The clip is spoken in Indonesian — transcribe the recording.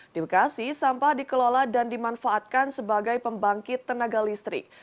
di bekasi sampah dikelola dan dimanfaatkan sebagai pembangkit tenaga listrik